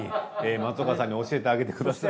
松岡さんに教えてあげてください。